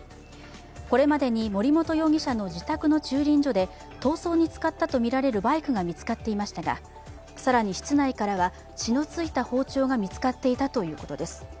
これまでに森本容疑者の自宅の駐輪所で逃走に使ったとみられるバイクが見つかっていましたが更に室内からは血のついた包丁が見つかっていたということです。